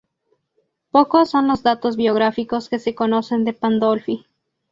Pocos son los datos biográficos que se conocen de Pandolfi.